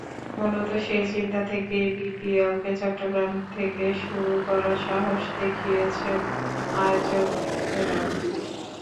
মূলত সেই চিন্তা থেকেই বিপিএলকে চট্টগ্রাম থেকে শুরু করার সাহস দেখিয়েছেন আয়োজকেরা।